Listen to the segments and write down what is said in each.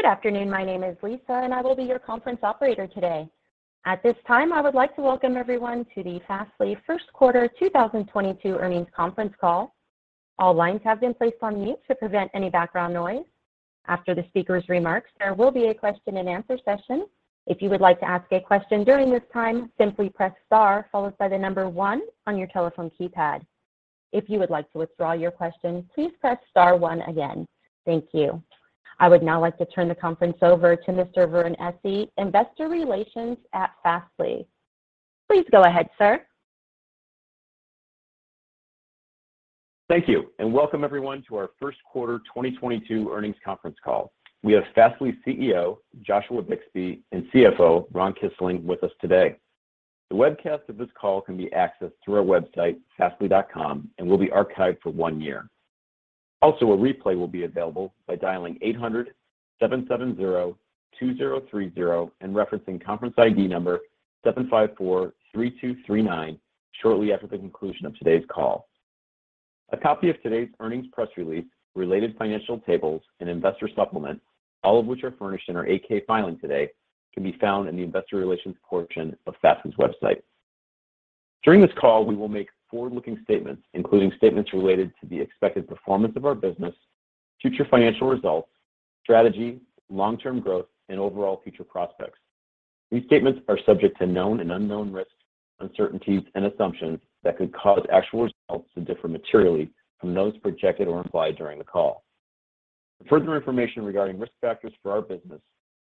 Good afternoon. My name is Lisa, and I will be your conference operator today. At this time, I would like to Welcome everyone to the Fastly first quarter 2022 earnings conference call. All lines have been placed on mute to prevent any background noise. After the speaker's remarks, there will be a question-and-answer session. If you would like to ask a question during this time, simply press star followed by the number one on your telephone keypad. If you would like to withdraw your question, please press star one again. Thank you. I would now like to turn the conference over to Mr. Vern Essi, Investor Relations at Fastly. Please go ahead, sir. Thank you, and welcome everyone to our first quarter 2022 earnings conference call. We have Fastly CEO, Joshua Bixby, and CFO, Ron Kisling, with us today. The webcast of this call can be accessed through our website, fastly.com, and will be archived for one year. Also, a replay will be available by dialing 800-770-2030 and referencing conference ID number 754-3239 shortly after the conclusion of today's call. A copy of today's earnings press release, related financial tables and investor supplements, all of which are furnished in our 8-K filing today, can be found in the investor relations portion of Fastly's website. During this call, we will make forward-looking statements, including statements related to the expected performance of our business, future financial results, strategy, long-term growth, and overall future prospects. These statements are subject to known and unknown risks, uncertainties, and assumptions that could cause actual results to differ materially from those projected or implied during the call. For further information regarding risk factors for our business,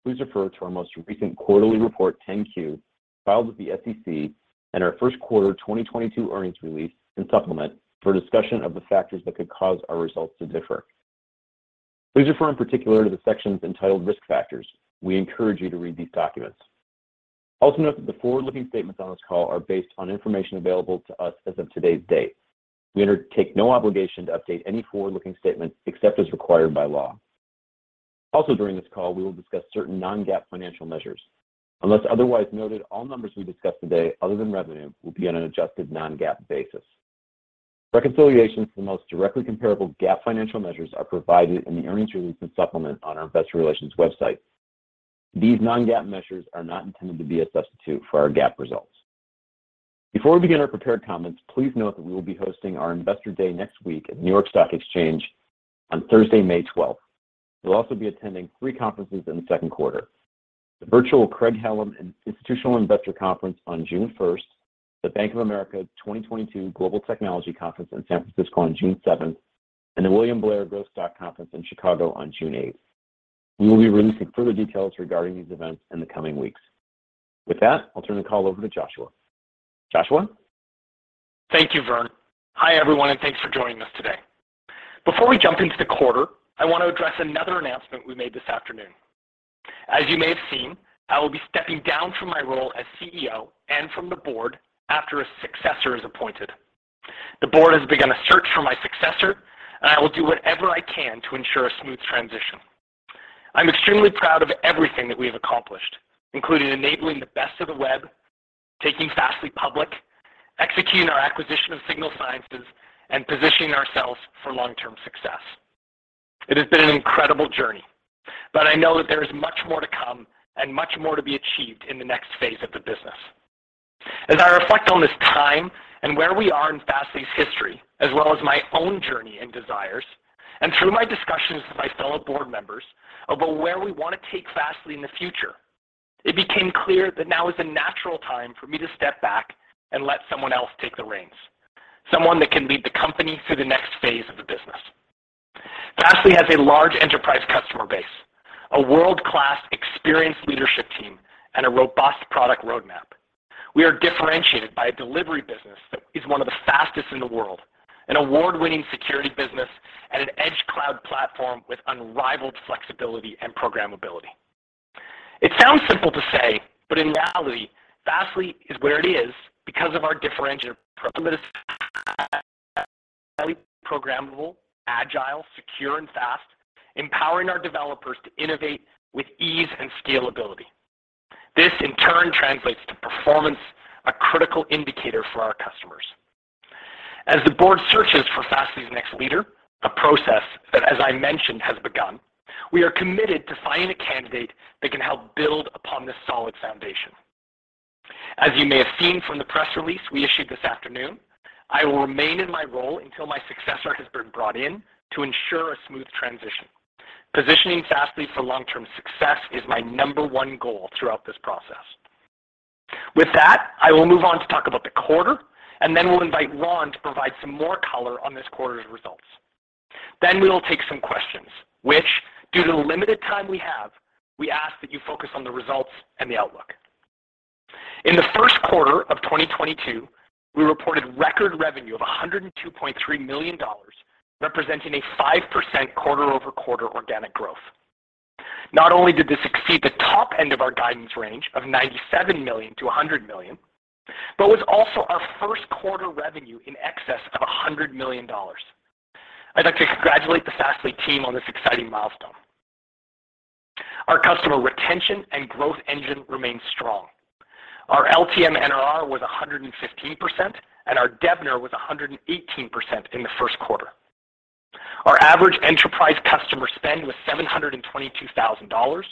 please refer to our most recent quarterly report 10-Q filed with the SEC and our first quarter 2022 earnings release and supplement for a discussion of the factors that could cause our results to differ. Please refer in particular to the sections entitled Risk Factors. We encourage you to read these documents. Also note that the forward-looking statements on this call are based on information available to us as of today's date. We undertake no obligation to update any forward-looking statements except as required by law. Also, during this call, we will discuss certain non-GAAP financial measures. Unless otherwise noted, all numbers we discuss today other than revenue will be on an adjusted non-GAAP basis. Reconciliations to the most directly comparable GAAP financial measures are provided in the earnings release and supplement on our investor relations website. These non-GAAP measures are not intended to be a substitute for our GAAP results. Before we begin our prepared comments, please note that we will be hosting our Investor Day next week at New York Stock Exchange on Thursday, May 12. We'll also be attending three conferences in the second quarter, the virtual Craig-Hallum and Institutional Investor Conference on June 1, the Bank of America 2022 Global Technology Conference in San Francisco on June 7, and the William Blair Growth Stock Conference in Chicago on June 8. We will be releasing further details regarding these events in the coming weeks. With that, I'll turn the call over to Joshua. Joshua? Thank you, Vern. Hi, everyone, and thanks for joining us today. Before we jump into the quarter, I want to address another announcement we made this afternoon. As you may have seen, I will be stepping down from my role as CEO and from the board after a successor is appointed. The board has begun a search for my successor, and I will do whatever I can to ensure a smooth transition. I'm extremely proud of everything that we have accomplished, including enabling the best of the web, taking Fastly public, executing our acquisition of Signal Sciences, and positioning ourselves for long-term success. It has been an incredible journey, but I know that there is much more to come and much more to be achieved in the next phase of the business. As I reflect on this time and where we are in Fastly's history, as well as my own journey and desires, and through my discussions with my fellow board members about where we want to take Fastly in the future, it became clear that now is the natural time for me to step back and let someone else take the reins. Someone that can lead the company through the next phase of the business. Fastly has a large enterprise customer base, a world-class experienced leadership team, and a robust product roadmap. We are differentiated by a delivery business that is one of the fastest in the world, an award-winning security business, and an edge cloud platform with unrivaled flexibility and programmability. It sounds simple to say, but in reality, Fastly is where it is because of our differentiated programmable, agile, secure, and fast, empowering our developers to innovate with ease and scalability. This in turn translates to performance, a critical indicator for our customers. As the board searches for Fastly's next leader, a process that, as I mentioned, has begun, we are committed to finding a candidate that can help build upon this solid foundation. As you may have seen from the press release we issued this afternoon, I will remain in my role until my successor has been brought in to ensure a smooth transition. Positioning Fastly for long-term success is my number one goal throughout this process. With that, I will move on to talk about the quarter, and then we'll invite Ron to provide some more color on this quarter's results. We will take some questions, which, due to the limited time we have, we ask that you focus on the results and the outlook. In the first quarter of 2022, we reported record revenue of $102.3 million, representing a 5% quarter-over-quarter organic growth. Not only did this exceed the top end of our guidance range of $97 million-$100 million, but was also our first quarter revenue in excess of $100 million. I'd like to congratulate the Fastly team on this exciting milestone. Our customer retention and growth engine remains strong. Our LTM NRR was 115%, and our DBNER was 118% in the first quarter. Our average enterprise customer spend was $722,000,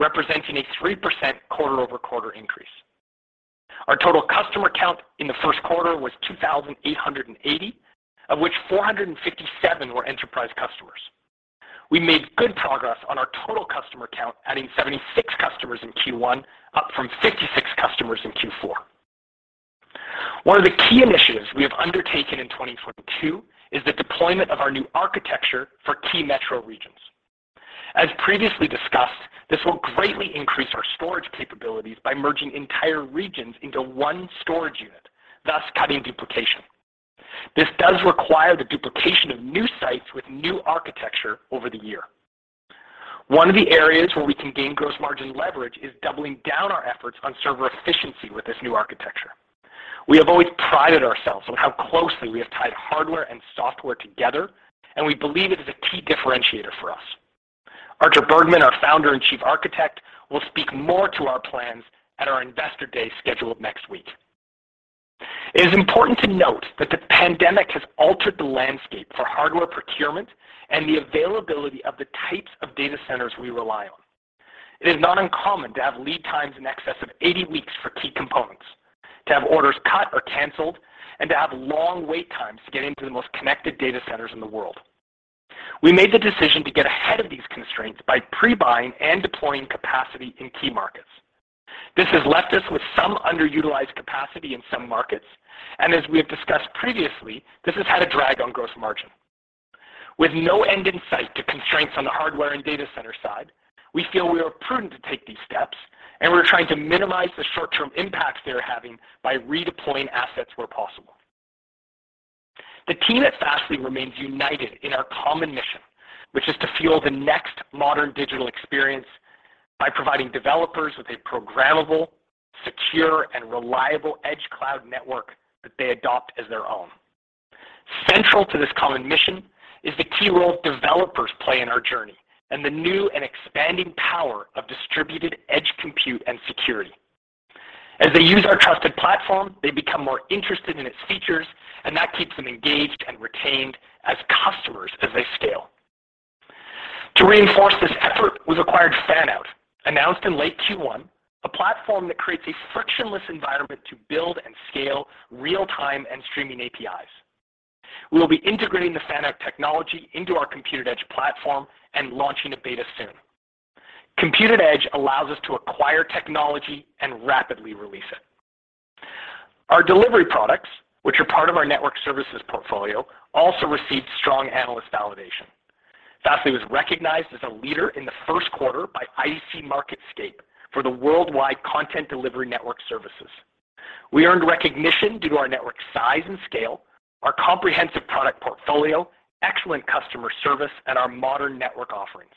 representing a 3% quarter-over-quarter increase. Our total customer count in the first quarter was 2,800, of which 457 were enterprise customers. We made good progress on our total customer count, adding 76 customers in Q1, up from 56 customers in Q4. One of the key initiatives we have undertaken in 2022 is the deployment of our new architecture for key metro regions. As previously discussed, this will greatly increase our storage capabilities by merging entire regions into one storage unit, thus cutting duplication. This does require the duplication of new sites with new architecture over the year. One of the areas where we can gain gross margin leverage is doubling down our efforts on server efficiency with this new architecture. We have always prided ourselves on how closely we have tied hardware and software together, and we believe it is a key differentiator for us. Artur Bergman, our founder and chief architect, will speak more to our plans at our Investor Day scheduled next week. It is important to note that the pandemic has altered the landscape for hardware procurement and the availability of the types of data centers we rely on. It is not uncommon to have lead times in excess of 80 weeks for key components, to have orders cut or canceled, and to have long wait times to get into the most connected data centers in the world. We made the decision to get ahead of these constraints by pre-buying and deploying capacity in key markets. This has left us with some underutilized capacity in some markets, and as we have discussed previously, this has had a drag on gross margin. With no end in sight to constraints on the hardware and data center side, we feel we are prudent to take these steps, and we're trying to minimize the short-term impacts they are having by redeploying assets where possible. The team at Fastly remains united in our common mission, which is to fuel the next modern digital experience by providing developers with a programmable, secure, and reliable edge cloud network that they adopt as their own. Central to this common mission is the key role developers play in our journey and the new and expanding power of distributed edge compute and security. As they use our trusted platform, they become more interested in its features, and that keeps them engaged and retained as customers as they scale. To reinforce this effort, we've acquired Fanout, announced in late Q1, a platform that creates a frictionless environment to build and scale real-time and streaming APIs. We will be integrating the Fanout technology into our computed edge platform and launching a beta soon. Computed edge allows us to acquire technology and rapidly release it. Our delivery products, which are part of our network services portfolio, also received strong analyst validation. Fastly was recognized as a leader in the first quarter by IDC MarketScape for the worldwide content delivery network services. We earned recognition due to our network size and scale, our comprehensive product portfolio, excellent customer service, and our modern network offerings.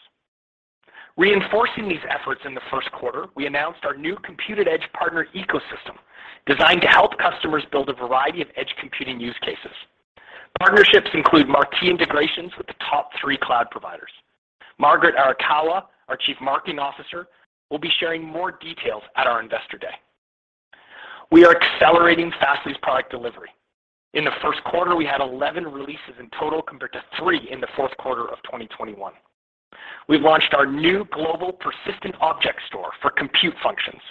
Reinforcing these efforts in the first quarter, we announced our new computed edge partner ecosystem designed to help customers build a variety of edge computing use cases. Partnerships include marquee integrations with the top three cloud providers. Margaret Arakawa, our Chief Marketing Officer, will be sharing more details at our Investor Day. We are accelerating Fastly's product delivery. In the first quarter, we had 11 releases in total compared to three in the fourth quarter of 2021. We launched our new global persistent Object Storage for compute functions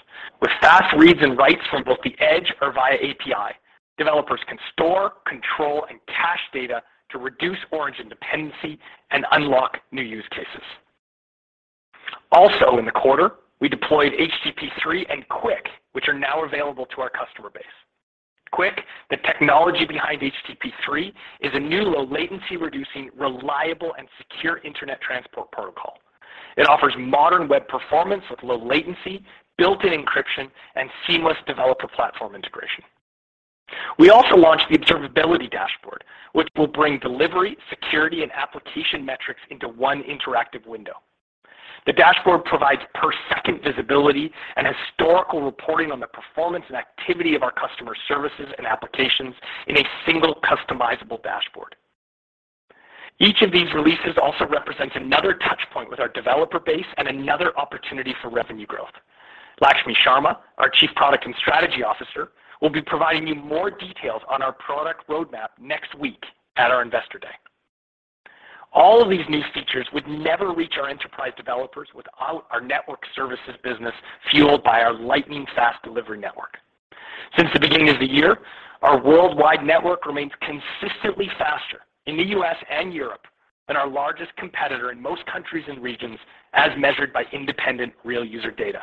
with fast reads and writes from both the edge or via API. Developers can store, control, and cache data to reduce origin dependency and unlock new use cases. Also in the quarter, we deployed HTTP/3 and QUIC, which are now available to our customer base. QUIC, the technology behind HTTP/3, is a new low latency reducing, reliable, and secure internet transport protocol. It offers modern web performance with low latency, built-in encryption, and seamless developer platform integration. We also launched the Observability Dashboard, which will bring delivery, security, and application metrics into one interactive window. The dashboard provides per second visibility and historical reporting on the performance and activity of our customer services and applications in a single customizable dashboard. Each of these releases also represents another touch point with our developer base and another opportunity for revenue growth. Lakshmi Sharma, our Chief Product and Strategy Officer, will be providing you more details on our product roadmap next week at our Investor Day. All of these new features would never reach our enterprise developers without our network services business fueled by our lightning-fast delivery network. Since the beginning of the year, our worldwide network remains consistently faster in the U.S. and Europe than our largest competitor in most countries and regions as measured by independent real user data.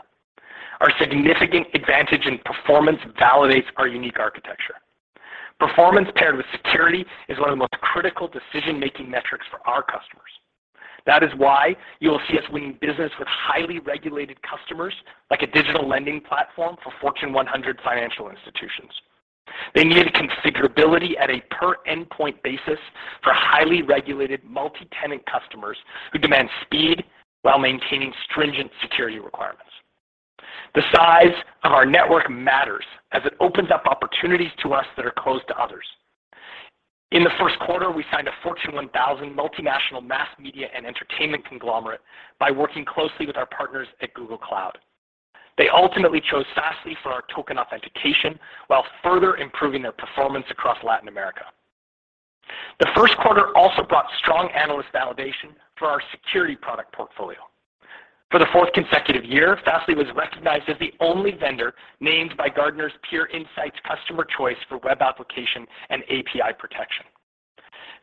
Our significant advantage in performance validates our unique architecture. Performance paired with security is one of the most critical decision-making metrics for our customers. That is why you will see us winning business with highly regulated customers like a digital lending platform for Fortune 100 financial institutions. They needed configurability at a per endpoint basis for highly regulated multi-tenant customers who demand speed while maintaining stringent security requirements. The size of our network matters as it opens up opportunities to us that are closed to others. In the first quarter, we signed a Fortune 1000 multinational mass media and entertainment conglomerate by working closely with our partners at Google Cloud. They ultimately chose Fastly for our token authentication while further improving their performance across Latin America. The first quarter also brought strong analyst validation for our security product portfolio. For the fourth consecutive year, Fastly was recognized as the only vendor named by Gartner's Peer Insights Customers' Choice for web application and API protection.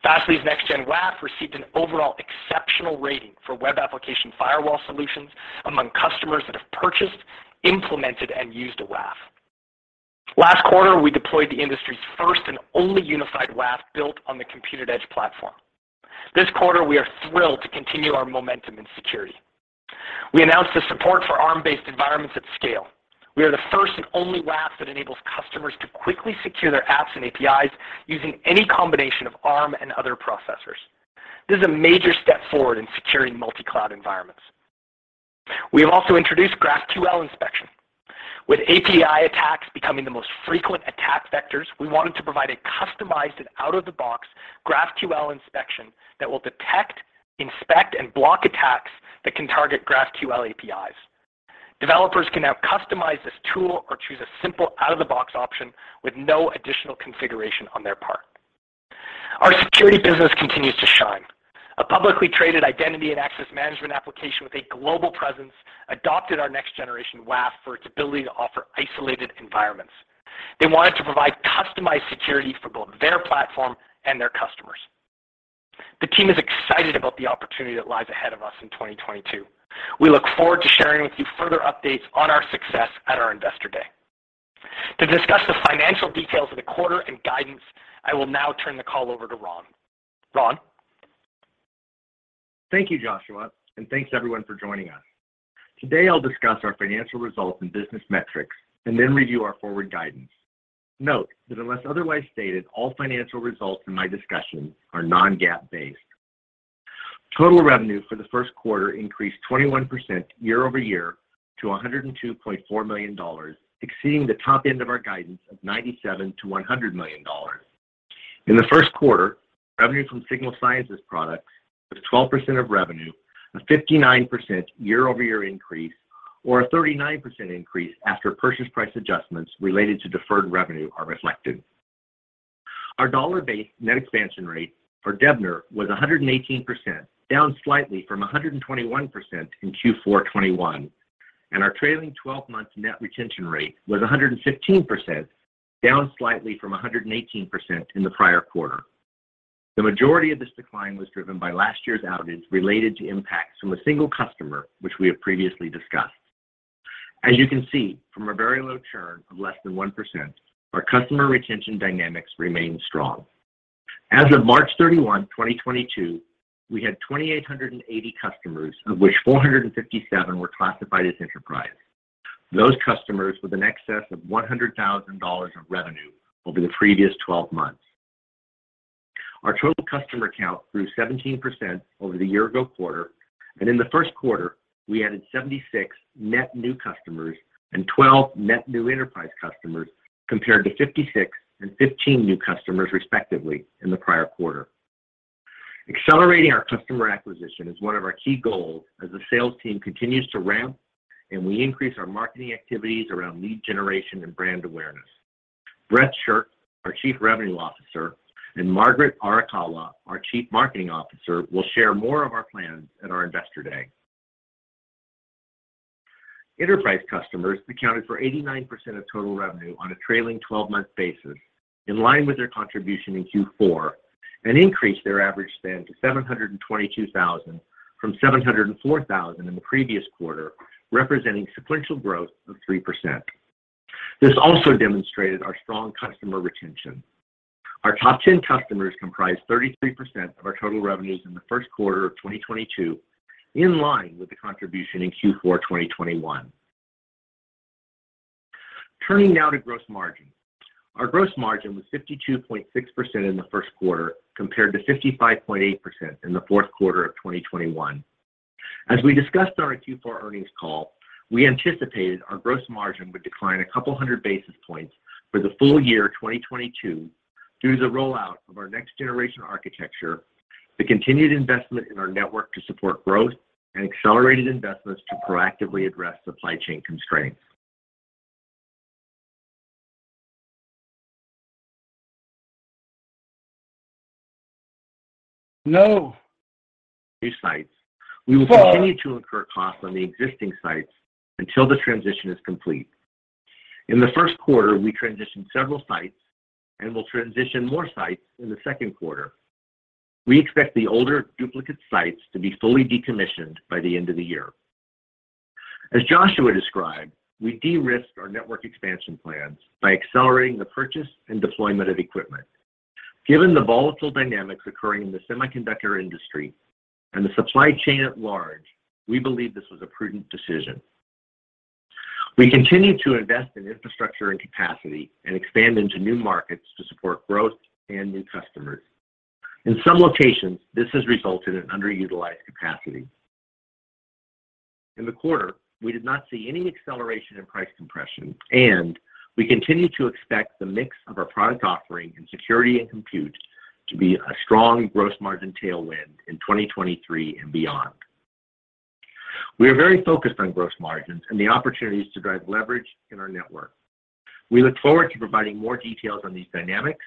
Fastly's Next-Gen WAF received an overall exceptional rating for web application firewall solutions among customers that have purchased, implemented, and used a WAF. Last quarter, we deployed the industry's first and only unified WAF built on the Compute@Edge platform. This quarter, we are thrilled to continue our momentum in security. We announced the support for Arm-based environments at scale. We are the first and only WAF that enables customers to quickly secure their apps and APIs using any combination of Arm and other processors. This is a major step forward in securing multi-cloud environments. We have also introduced GraphQL inspection. With API attacks becoming the most frequent attack vectors, we wanted to provide a customized and out-of-the-box GraphQL inspection that will detect, inspect, and block attacks that can target GraphQL APIs. Developers can now customize this tool or choose a simple out-of-the-box option with no additional configuration on their part. Our security business continues to shine. A publicly traded identity and access management application with a global presence adopted our Next-Gen WAF for its ability to offer isolated environments. They wanted to provide customized security for both their platform and their customers. The team is excited about the opportunity that lies ahead of us in 2022. We look forward to sharing with you further updates on our success at our investor day. To discuss the financial details of the quarter and guidance, I will now turn the call over to Ron. Ron? Thank you, Joshua, and thanks everyone for joining us. Today, I'll discuss our financial results and business metrics and then review our forward guidance. Note that unless otherwise stated, all financial results in my discussion are non-GAAP based. Total revenue for the first quarter increased 21% year-over-year to $102.4 million, exceeding the top end of our guidance of $97 million-$100 million. In the first quarter, revenue from Signal Sciences product was 12% of revenue, a 59% year-over-year increase, or a 39% increase after purchase price adjustments related to deferred revenue are reflected. Our dollar-based net expansion rate for DBNER was 118%, down slightly from 121% in Q4 2021, and our trailing twelve-month net retention rate was 115%, down slightly from 118% in the prior quarter. The majority of this decline was driven by last year's outage related to impacts from a single customer, which we have previously discussed. As you can see, from a very low churn of less than 1%, our customer retention dynamics remain strong. As of March 31, 2022, we had 2,880 customers, of which 457 were classified as enterprise. Those customers with an excess of $100,000 of revenue over the previous 12 months. Our total customer count grew 17% over the year-ago quarter, and in the first quarter, we added 76 net new customers and 12 net new enterprise customers, compared to 56 and 15 new customers, respectively, in the prior quarter. Accelerating our customer acquisition is one of our key goals as the sales team continues to ramp and we increase our marketing activities around lead generation and brand awareness. Brett Shirk, our Chief Revenue Officer, and Margaret Arakawa, our Chief Marketing Officer, will share more of our plans at our Investor Day. Enterprise customers accounted for 89% of total revenue on a trailing twelve-month basis, in line with their contribution in Q4, and increased their average spend to $722,000 from $704,000 in the previous quarter, representing sequential growth of 3%. This also demonstrated our strong customer retention. Our top ten customers comprised 33% of our total revenues in the first quarter of 2022, in line with the contribution in Q4 2021. Turning now to gross margin. Our gross margin was 52.6% in the first quarter, compared to 55.8% in the fourth quarter of 2021. As we discussed on our Q4 earnings call, we anticipated our gross margin would decline a couple hundred basis points for the full year 2022 due to the rollout of our next-generation architecture, the continued investment in our network to support growth, and accelerated investments to proactively address supply chain constraints new sites. We will continue to incur costs on the existing sites until the transition is complete. In the first quarter, we transitioned several sites and will transition more sites in the second quarter. We expect the older duplicate sites to be fully decommissioned by the end of the year. As Joshua described, we de-risked our network expansion plans by accelerating the purchase and deployment of equipment. Given the volatile dynamics occurring in the semiconductor industry and the supply chain at large, we believe this was a prudent decision. We continue to invest in infrastructure and capacity and expand into new markets to support growth and new customers. In some locations, this has resulted in underutilized capacity. In the quarter, we did not see any acceleration in price compression, and we continue to expect the mix of our product offering in security and compute to be a strong gross margin tailwind in 2023 and beyond. We are very focused on gross margins and the opportunities to drive leverage in our network. We look forward to providing more details on these dynamics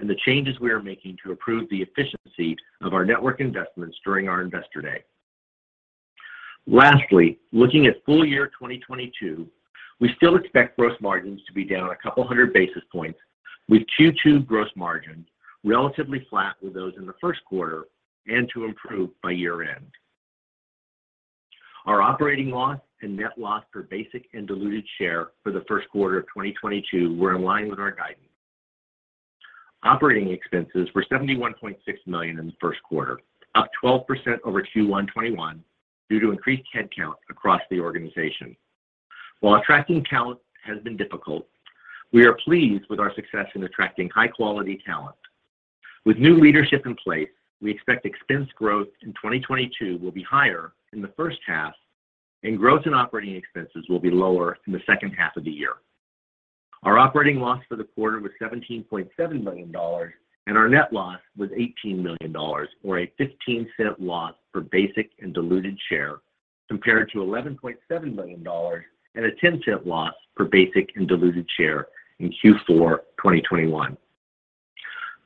and the changes we are making to improve the efficiency of our network investments during our Investor Day. Lastly, looking at full year 2022, we still expect gross margins to be down a couple hundred basis points, with Q2 gross margins relatively flat with those in the first quarter and to improve by year-end. Our operating loss and net loss per basic and diluted share for the first quarter of 2022 were in line with our guidance. Operating expenses were $71.6 million in the first quarter, up 12% over Q1 2021 due to increased headcount across the organization. While attracting talent has been difficult, we are pleased with our success in attracting high quality talent. With new leadership in place, we expect expense growth in 2022 will be higher in the first half, and growth in operating expenses will be lower in the second half of the year. Our operating loss for the quarter was $17.7 million, and our net loss was $18 million, or a $0.15 loss for basic and diluted share, compared to $11.7 million and a $0.10 loss for basic and diluted share in Q4 2021.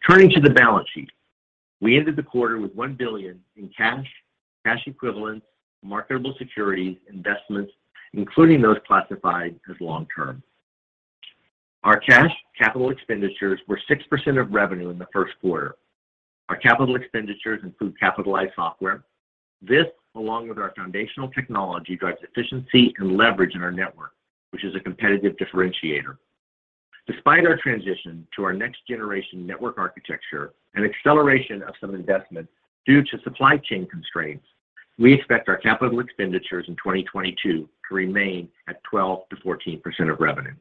Turning to the balance sheet. We ended the quarter with $1 billion in cash equivalents, marketable securities, investments, including those classified as long-term. Our cash capital expenditures were 6% of revenue in the first quarter. Our capital expenditures include capitalized software. This, along with our foundational technology, drives efficiency and leverage in our network, which is a competitive differentiator. Despite our transition to our next generation network architecture and acceleration of some investments due to supply chain constraints, we expect our capital expenditures in 2022 to remain at 12%-14% of revenue.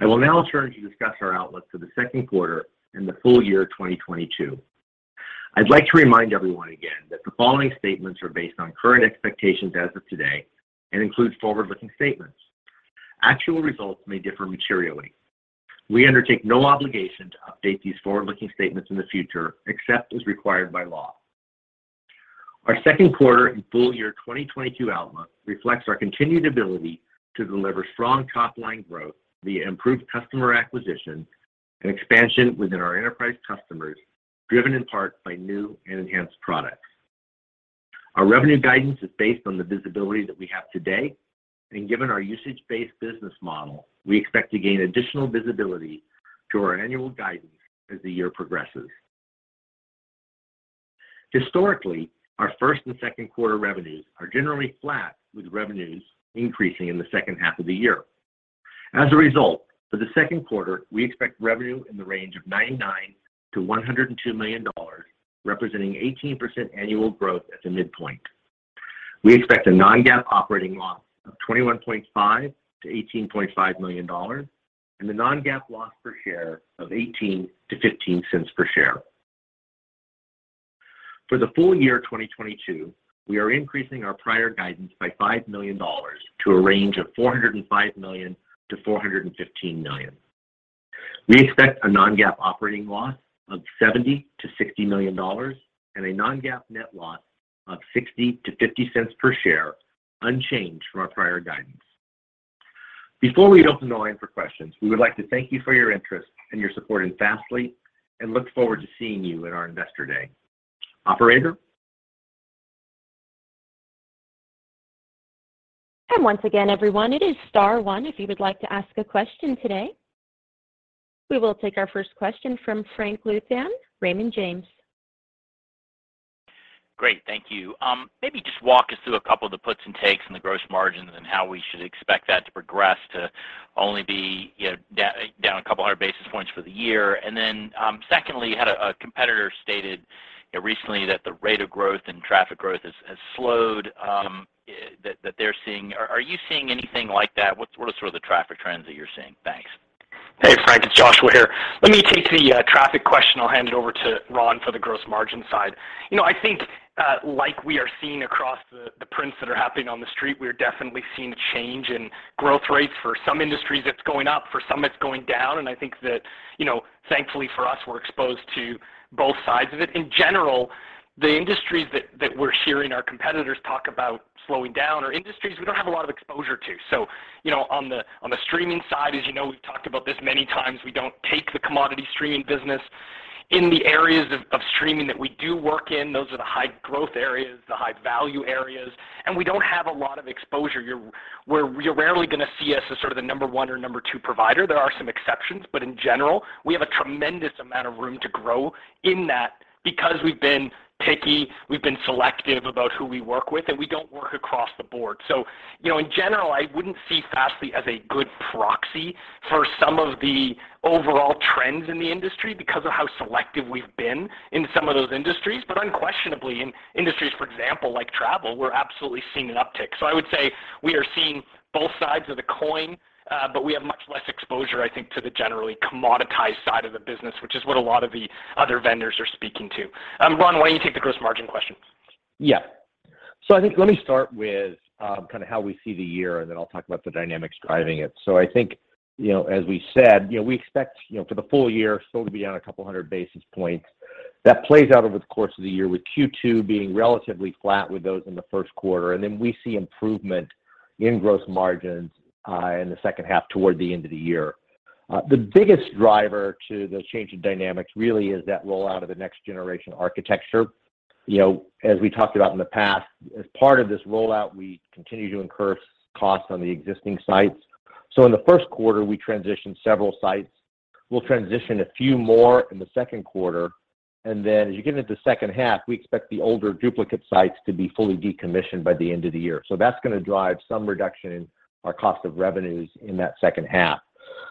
I will now turn to discuss our outlook for the second quarter and the full year 2022. I'd like to remind everyone again that the following statements are based on current expectations as of today and include forward-looking statements. Actual results may differ materially. We undertake no obligation to update these forward-looking statements in the future, except as required by law. Our second quarter and full year 2022 outlook reflects our continued ability to deliver strong top line growth via improved customer acquisition and expansion within our enterprise customers, driven in part by new and enhanced products. Our revenue guidance is based on the visibility that we have today, and given our usage-based business model, we expect to gain additional visibility to our annual guidance as the year progresses. Historically, our first and second quarter revenues are generally flat, with revenues increasing in the second half of the year. As a result, for the second quarter, we expect revenue in the range of $99 million-$102 million, representing 18% annual growth at the midpoint. We expect a non-GAAP operating loss of $21.5 million-$18.5 million, and a non-GAAP loss per share of 18-15 cents per share. For the full year 2022, we are increasing our prior guidance by $5 million to a range of $405 million-$415 million. We expect a non-GAAP operating loss of $70 million-$60 million and a non-GAAP net loss of 60-50 cents per share, unchanged from our prior guidance. Before we open the line for questions, we would like to thank you for your interest and your support in Fastly and look forward to seeing you at our Investor Day. Operator? Once again, everyone, it is star one, if you would like to ask a question today. We will take our first question from Frank Louthan, Raymond James. Great. Thank you. Maybe just walk us through a couple of the puts and takes in the gross margins and how we should expect that to progress to only be down 200 basis points for the year. Secondly, you had a competitor stated recently that the rate of growth and traffic growth has slowed that they're seeing. Are you seeing anything like that? What are sort of the traffic trends that you're seeing? Thanks. Hey, Frank Louthan, it's Joshua Bixby here. Let me take the traffic question. I'll hand it over to Ron Kisling for the gross margin side. You know, I think, like we are seeing across the prints that are happening on the Street, we are definitely seeing a change in growth rates. For some industries, it's going up, for some, it's going down. I think that, you know, thankfully for us, we're exposed to both sides of it. In general, the industries that we're hearing our competitors talk about slowing down are industries we don't have a lot of exposure to. You know, on the streaming side, as you know, we've talked about this many times, we don't take the commodity streaming business. In the areas of streaming that we do work in, those are the high growth areas, the high value areas, and we don't have a lot of exposure. You're rarely gonna see us as sort of the number one or number two provider. There are some exceptions, but in general, we have a tremendous amount of room to grow in that because we've been picky, we've been selective about who we work with, and we don't work across the board. You know, in general, I wouldn't see Fastly as a good proxy for some of the overall trends in the industry because of how selective we've been in some of those industries. Unquestionably, in industries, for example, like travel, we're absolutely seeing an uptick. I would say we are seeing both sides of the coin, but we have much less exposure, I think, to the generally commoditized side of the business, which is what a lot of the other vendors are speaking to. Ron, why don't you take the gross margin question? Yeah. I think let me start with kinda how we see the year, and then I'll talk about the dynamics driving it. I think you know as we said you know we expect you know for the full year still to be on 200 basis points. That plays out over the course of the year, with Q2 being relatively flat with those in the first quarter. Then we see improvement in gross margins in the second half toward the end of the year. The biggest driver to the change in dynamics really is that rollout of the next generation architecture. You know as we talked about in the past, as part of this rollout, we continue to incur costs on the existing sites. In the first quarter, we transitioned several sites. We'll transition a few more in the second quarter, and then as you get into the second half, we expect the older duplicate sites to be fully decommissioned by the end of the year. That's gonna drive some reduction in our cost of revenues in that second half.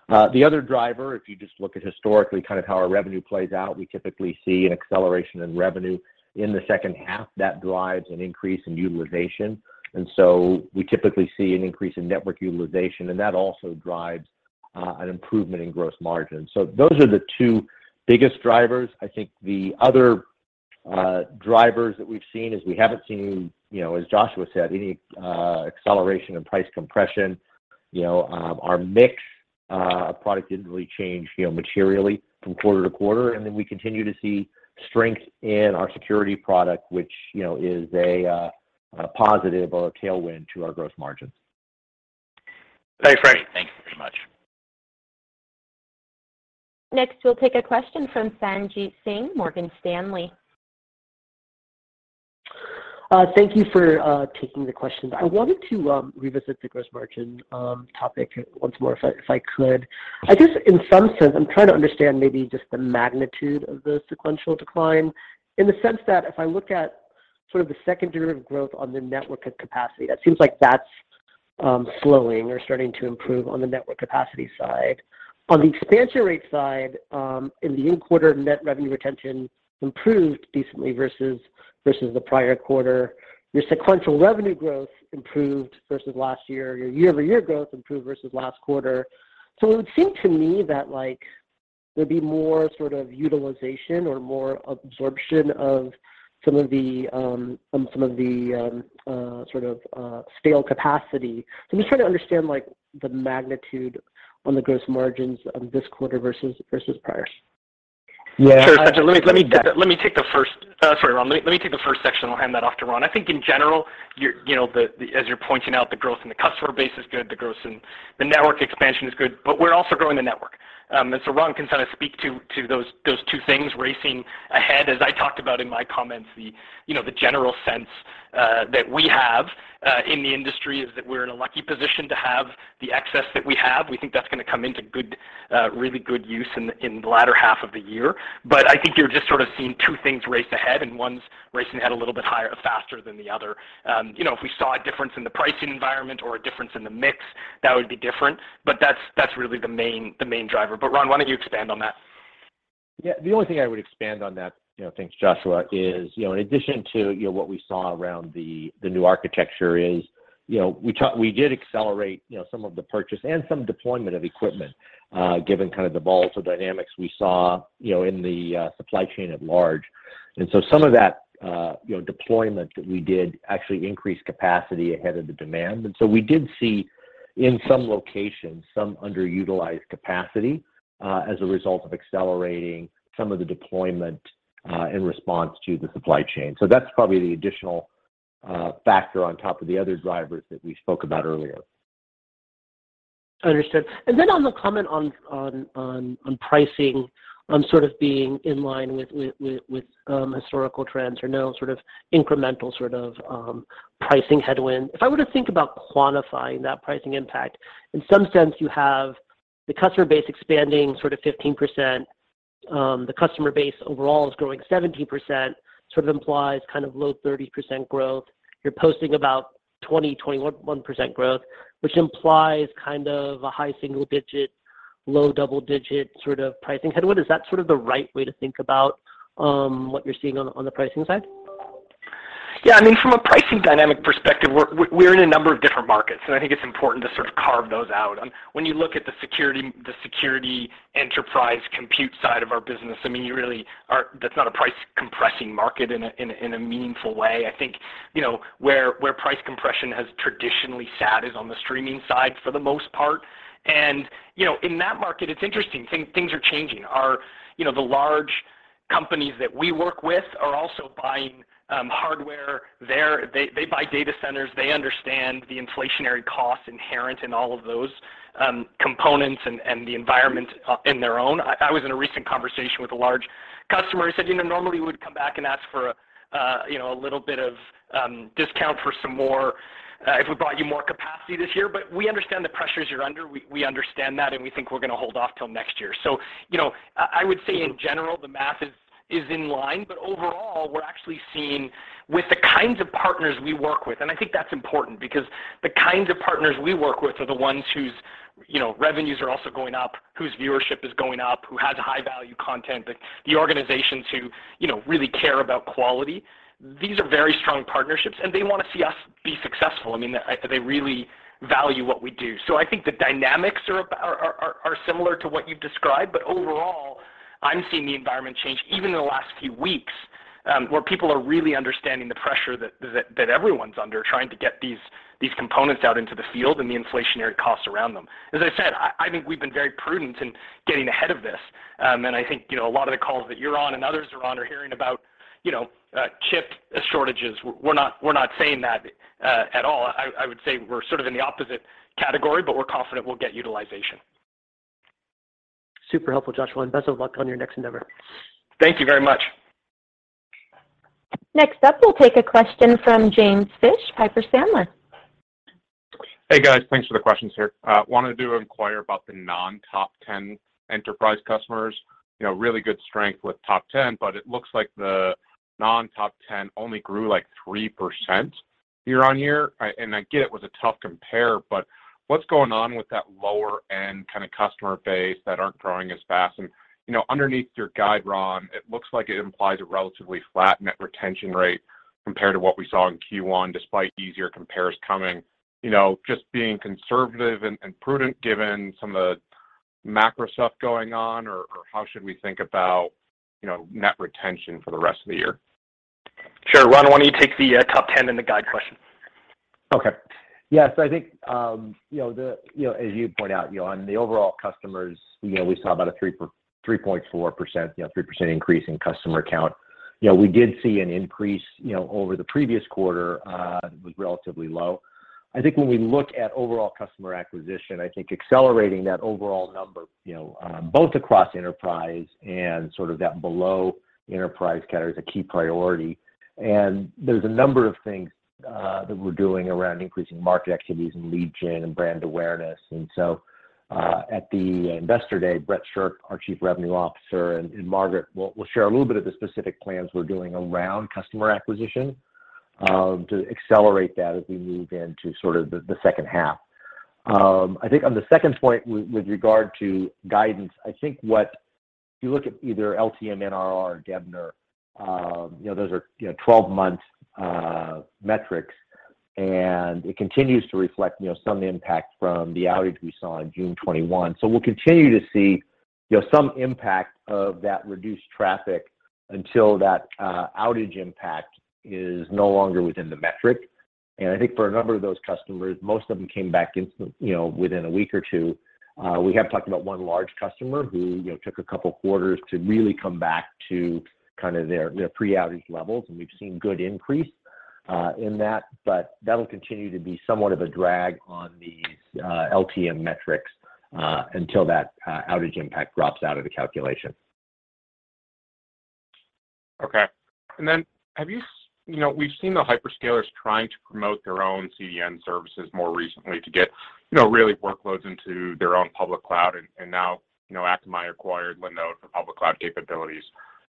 The other driver, if you just look at historically kind of how our revenue plays out, we typically see an acceleration in revenue in the second half that drives an increase in utilization. We typically see an increase in network utilization, and that also drives an improvement in gross margins. Those are the two biggest drivers. I think the other drivers that we've seen is we haven't seen, you know, as Joshua said, any acceleration in price compression. You know, our mix product didn't really change, you know, materially from quarter to quarter. Then we continue to see strength in our security product, which, you know, is a positive or a tailwind to our gross margins. Thanks, Frank. Great. Thank you very much. Next, we'll take a question from Sanjit Singh, Morgan Stanley. Thank you for taking the questions. I wanted to revisit the gross margin topic once more if I could. I just in some sense I'm trying to understand maybe just the magnitude of the sequential decline in the sense that if I look at sort of the second derivative growth on the network capacity, it seems like that's slowing or starting to improve on the network capacity side. On the expansion rate side, in the quarter, net revenue retention improved decently versus the prior quarter. Your sequential revenue growth improved versus last year. Your year-over-year growth improved versus last quarter. It would seem to me that, like, there'd be more sort of utilization or more absorption of some of the sort of scale capacity. I'm just trying to understand, like, the magnitude on the gross margins of this quarter versus prior. Yeah. Sure. Let me take the first section. I'll hand that off to Ron. I think in general, you're, you know, as you're pointing out, the growth in the customer base is good. The growth in the network expansion is good. We're also growing the network. Ron can kind of speak to those two things racing ahead. As I talked about in my comments, you know, the general sense that we have in the industry is that we're in a lucky position to have the excess that we have. We think that's gonna come into good, really good use in the latter half of the year. I think you're just sort of seeing two things race ahead, and one's racing ahead a little bit higher or faster than the other. You know, if we saw a difference in the pricing environment or a difference in the mix, that would be different, but that's really the main driver. Ron, why don't you expand on that? Yeah. The only thing I would expand on that, you know, thanks Joshua, is, you know, in addition to, you know, what we saw around the new architecture is, you know, we did accelerate, you know, some of the purchase and some deployment of equipment, given kind of the volatile dynamics we saw, you know, in the supply chain at large. Some of that, you know, deployment that we did actually increased capacity ahead of the demand. We did see in some locations some underutilized capacity, as a result of accelerating some of the deployment, in response to the supply chain. That's probably the additional factor on top of the other drivers that we spoke about earlier. Understood. On the comment on pricing, on sort of being in line with historical trends or no sort of incremental pricing headwind. If I were to think about quantifying that pricing impact, in some sense you have the customer base expanding sort of 15%. The customer base overall is growing 70%, sort of implies kind of low 30% growth. You're posting about 21% growth, which implies kind of a high single digit, low double digit sort of pricing headwind. Is that sort of the right way to think about what you're seeing on the pricing side? Yeah. I mean, from a pricing dynamic perspective, we're in a number of different markets, and I think it's important to sort of carve those out. When you look at the security enterprise compute side of our business, I mean, that's not a price compressing market in a meaningful way. I think, you know, where price compression has traditionally sat is on the streaming side for the most part. You know, in that market, it's interesting. Things are changing. You know, the large companies that we work with are also buying hardware there. They buy data centers. They understand the inflationary costs inherent in all of those components and the environment in their own. I was in a recent conversation with a large customer who said, "You know, normally we would come back and ask for, you know, a little bit of discount for some more, if we brought you more capacity this year, but we understand the pressures you're under. We understand that, and we think we're gonna hold off till next year." You know, I would say in general the math is in line. Overall, we're actually seeing with the kinds of partners we work with, and I think that's important because the kinds of partners we work with are the ones whose, you know, revenues are also going up, whose viewership is going up, who has high value content, the organizations who, you know, really care about quality. These are very strong partnerships, and they wanna see us be successful. I mean, they really value what we do. I think the dynamics are similar to what you've described. Overall, I'm seeing the environment change even in the last few weeks, where people are really understanding the pressure that everyone's under trying to get these components out into the field and the inflationary costs around them. As I said, I think we've been very prudent in getting ahead of this. I think, you know, a lot of the calls that you're on and others are on are hearing about, you know, chip shortages. We're not saying that at all. I would say we're sort of in the opposite category, but we're confident we'll get utilization. Super helpful, Joshua, and best of luck on your next endeavor. Thank you very much. Next up, we'll take a question from James Fish, Piper Sandler. Hey, guys. Thanks for the questions here. Wanted to inquire about the non-top ten enterprise customers. You know, really good strength with top ten, but it looks like the non-top ten only grew, like, 3% year-on-year. I get it was a tough compare, but what's going on with that lower-end kind of customer base that aren't growing as fast? You know, underneath your guide, Ron, it looks like it implies a relatively flat net retention rate compared to what we saw in Q1, despite easier compares coming. You know, just being conservative and prudent given some of the macro stuff going on, or how should we think about, you know, net retention for the rest of the year? Sure. Ron, why don't you take the top 10 and the guide question? Okay. Yeah. I think you know, as you point out, you know, on the overall customers, you know, we saw about a 3.4%, 3% increase in customer count. We did see an increase over the previous quarter was relatively low. I think when we look at overall customer acquisition, I think accelerating that overall number you know both across enterprise and sort of that below enterprise category is a key priority. There's a number of things that we're doing around increasing market activities and lead gen and brand awareness. At the Investor Day, Brett Shirk, our Chief Revenue Officer, and Margaret will share a little bit of the specific plans we're doing around customer acquisition to accelerate that as we move into the second half. I think on the second point with regard to guidance, I think what if you look at either LTM NRR or DBNER, you know, those are 12-month metrics, and it continues to reflect, you know, some impact from the outage we saw on June 21. We'll continue to see, you know, some impact of that reduced traffic until that outage impact is no longer within the metric. I think for a number of those customers, most of them came back within a week or two. We have talked about one large customer who, you know, took a couple quarters to really come back to kind of their pre-outage levels, and we've seen good increase in that. That'll continue to be somewhat of a drag on these LTM metrics until that outage impact drops out of the calculation. Okay. Have you know, we've seen the hyperscalers trying to promote their own CDN services more recently to get, you know, real workloads into their own public cloud. Now, you know, Akamai acquired Linode for public cloud capabilities.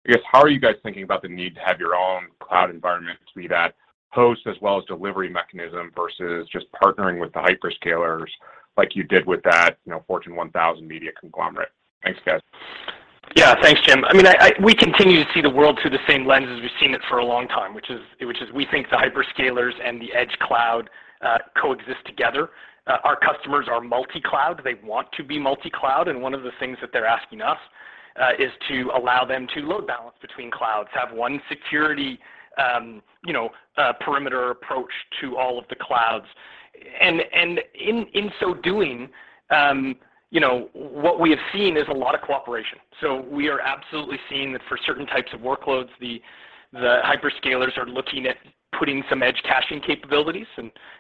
I guess, how are you guys thinking about the need to have your own cloud environment to be that host as well as delivery mechanism versus just partnering with the hyperscalers like you did with that, you know, Fortune 1000 media conglomerate? Thanks, guys. Yeah. Thanks, James. I mean, we continue to see the world through the same lens as we've seen it for a long time, which is we think the hyperscalers and the edge cloud coexist together. Our customers are multi-cloud. They want to be multi-cloud, and one of the things that they're asking us is to allow them to load balance between clouds, have one security perimeter approach to all of the clouds. In so doing, what we have seen is a lot of cooperation. We are absolutely seeing that for certain types of workloads, the hyperscalers are looking at putting some edge caching capabilities,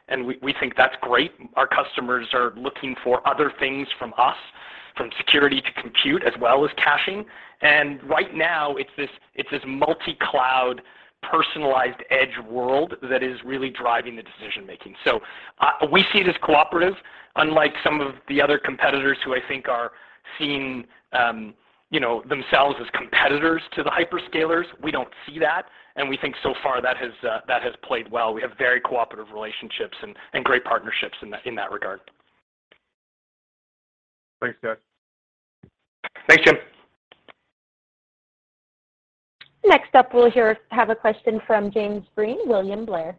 and we think that's great. Our customers are looking for other things from us, from security to compute as well as caching. Right now, it's this multi-cloud personalized edge world that is really driving the decision-making. We see it as cooperative, unlike some of the other competitors who I think are seeing you know, themselves as competitors to the hyperscalers. We don't see that, and we think so far that has played well. We have very cooperative relationships and great partnerships in that regard. Thanks, guys. Thanks, James. Next up, we'll have a question from Jim Breen, William Blair.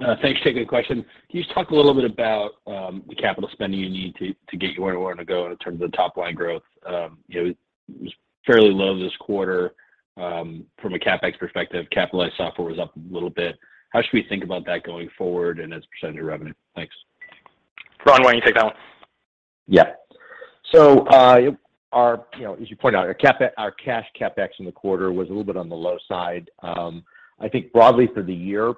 That's a good question. Can you just talk a little bit about the capital spending you need to get you where you wanna go in terms of top line growth? You know, it was fairly low this quarter from a CapEx perspective. Capitalized software was up a little bit. How should we think about that going forward and as a percentage of revenue? Thanks. Ron, why don't you take that one? Yeah. Our, you know, as you pointed out, our cash CapEx in the quarter was a little bit on the low side. I think broadly for the year,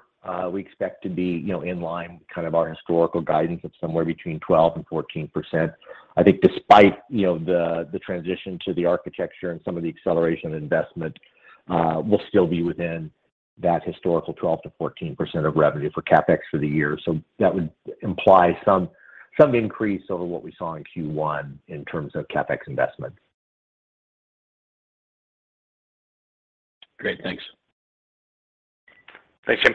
we expect to be, you know, in line kind of our historical guidance of somewhere between 12% and 14%. I think despite, you know, the transition to the architecture and some of the acceleration investment, we'll still be within that historical 12%-14% of revenue for CapEx for the year. That would imply some increase over what we saw in Q1 in terms of CapEx investment. Great. Thanks. Thanks, Jim.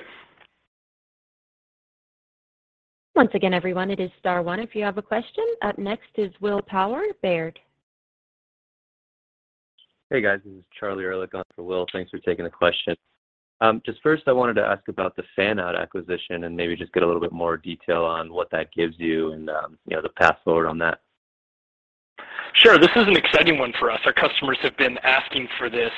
Once again, everyone, it is star one if you have a question. Up next is Will Power, Baird. Hey guys, this is Charlie Erlikh on for Will. Thanks for taking the question. Just first I wanted to ask about the Fanout acquisition and maybe just get a little bit more detail on what that gives you and, you know, the path forward on that. Sure. This is an exciting one for us. Our customers have been asking for this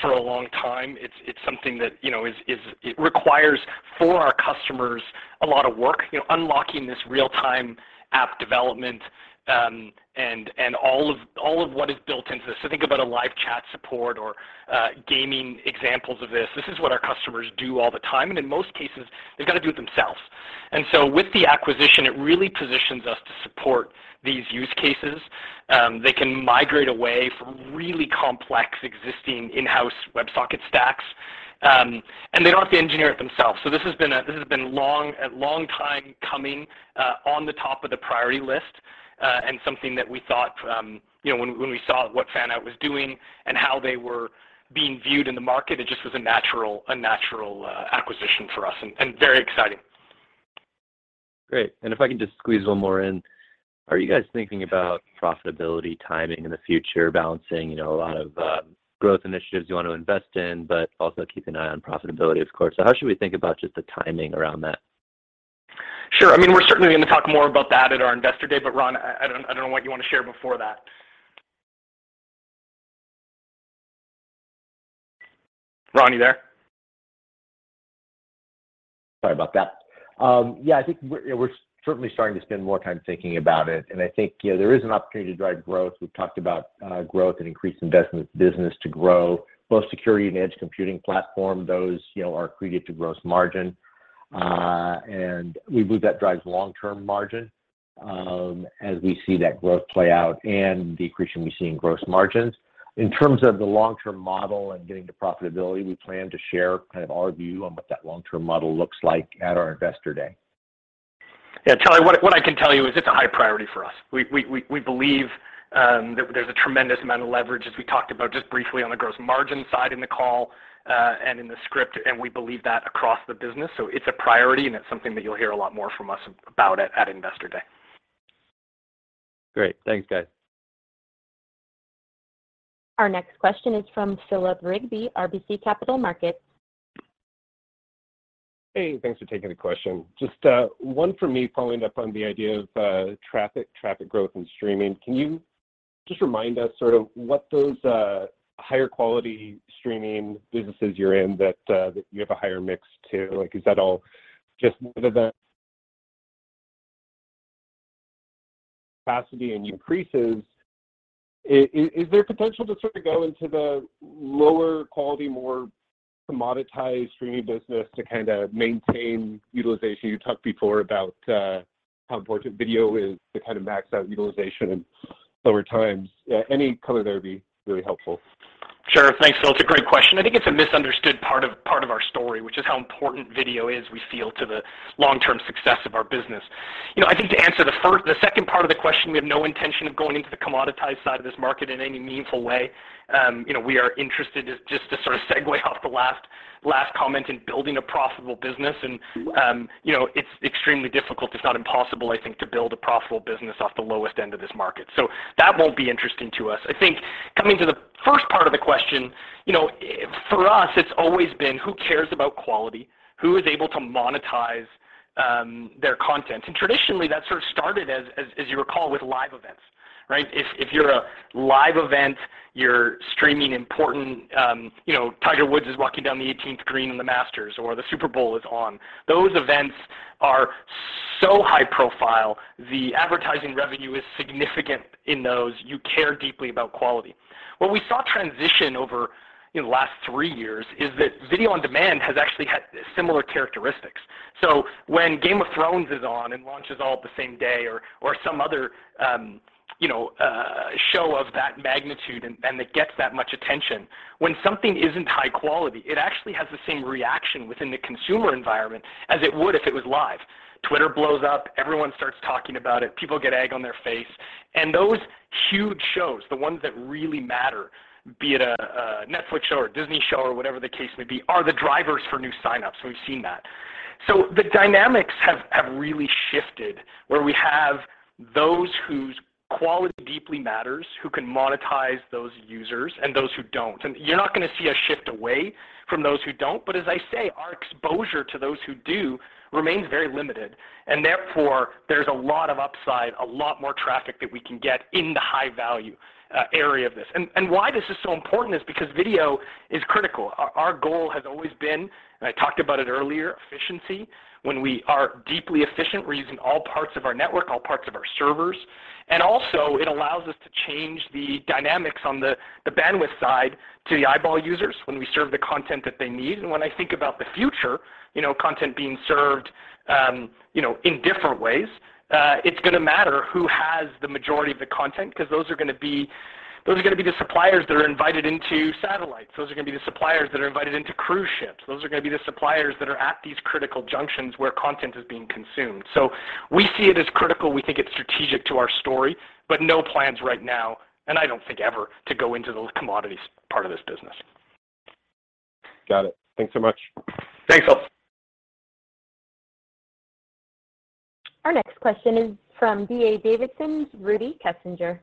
for a long time. It's something that you know is. It requires for our customers a lot of work you know unlocking this real-time app development and all of what is built into this. Think about a live chat support or gaming examples of this. This is what our customers do all the time, and in most cases, they've got to do it themselves. With the acquisition, it really positions us to support these use cases. They can migrate away from really complex existing in-house WebSocket stacks and they don't have to engineer it themselves. This has been a long time coming, on the top of the priority list, and something that we thought, you know, when we saw what Fanout was doing and how they were being viewed in the market, it just was a natural acquisition for us and very exciting. Great. If I can just squeeze one more in. Are you guys thinking about profitability timing in the future, balancing, you know, a lot of, growth initiatives you want to invest in, but also keep an eye on profitability, of course? How should we think about just the timing around that? Sure. I mean, we're certainly going to talk more about that at our Investor Day, but Ron, I don't know what you want to share before that. Ron, you there? Sorry about that. Yeah, I think we're, you know, certainly starting to spend more time thinking about it, and I think, you know, there is an opportunity to drive growth. We've talked about growth and increased investment business to grow both security and edge computing platform. Those, you know, are accretive to gross margin, and we believe that drives long-term margin, as we see that growth play out and the accretion we see in gross margins. In terms of the long-term model and getting to profitability, we plan to share kind of our view on what that long-term model looks like at our Investor Day. Yeah. Charlie, what I can tell you is it's a high priority for us. We believe that there's a tremendous amount of leverage, as we talked about just briefly on the gross margin side in the call, and in the script, and we believe that across the business. It's a priority, and it's something that you'll hear a lot more from us about at Investor Day. Great. Thanks, guys. Our next question is from Philip Rigby, RBC Capital Markets. Hey, thanks for taking the question. Just one for me following up on the idea of traffic growth and streaming. Can you just remind us sort of what those higher quality streaming businesses you're in that you have a higher mix to? Like, is that all just capacity and increases? Is there potential to sort of go into the lower quality, more commoditized streaming business to kind of maintain utilization? You talked before about how important video is to kind of max out utilization over time. Yeah. Any color there would be really helpful. Sure. Thanks, Phil. It's a great question. I think it's a misunderstood part of our story, which is how important video is, we feel, to the long-term success of our business. You know, I think to answer the second part of the question, we have no intention of going into the commoditized side of this market in any meaningful way. You know, we are interested just to sort of segue off the last comment in building a profitable business and, you know, it's extremely difficult. It's not impossible, I think, to build a profitable business off the lowest end of this market. So that won't be interesting to us. I think coming to the first part of the question, you know, for us, it's always been who cares about quality, who is able to monetize their content? Traditionally, that sort of started as you recall with live events, right? If you're a live event, you're streaming important, you know, Tiger Woods is walking down the eighteenth green in the Masters or the Super Bowl is on, those events are so high-profile, the advertising revenue is significant in those. You care deeply about quality. What we saw transition over, you know, the last three years is that video on demand has actually had similar characteristics. When Game of Thrones is on and launches all at the same day or some other, you know, show of that magnitude and that gets that much attention, when something isn't high-quality, it actually has the same reaction within the consumer environment as it would if it was live. Twitter blows up, everyone starts talking about it, people get egg on their face. Those huge shows, the ones that really matter, be it a Netflix show or a Disney show or whatever the case may be, are the drivers for new signups. We've seen that. The dynamics have really shifted where we have those whose quality deeply matters, who can monetize those users, and those who don't. You're not gonna see a shift away from those who don't, but as I say, our exposure to those who do remains very limited, and therefore, there's a lot of upside, a lot more traffic that we can get in the high value area of this. Why this is so important is because video is critical. Our goal has always been, and I talked about it earlier, efficiency. When we are deeply efficient, we're using all parts of our network, all parts of our servers, and also it allows us to change the dynamics on the bandwidth side to the eyeball users when we serve the content that they need. When I think about the future, you know, content being served, you know, in different ways, it's gonna matter who has the majority of the content 'cause those are gonna be the suppliers that are invited into satellites. Those are gonna be the suppliers that are invited into cruise ships. Those are gonna be the suppliers that are at these critical junctions where content is being consumed. We see it as critical. We think it's strategic to our story, but no plans right now, and I don't think ever, to go into the commodities part of this business. Got it. Thanks so much. Thanks, Philip. Our next question is from D.A. Davidson's Rudy Kessinger.